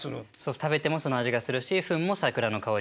食べてもその味がするしフンも桜の香りがして。